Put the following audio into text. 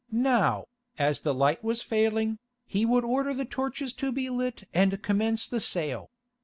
Now, as the light was failing, he would order the torches to be lit and commence the sale.